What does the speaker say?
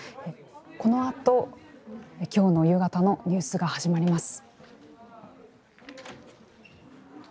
このあと今日の夕方のニュースが始まります。